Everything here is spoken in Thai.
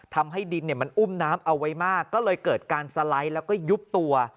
ทำให้ดินมันอุ้มน้ำเอาไว้มากก็เลยเกิดการสไลด์แล้วก็ยุบตัว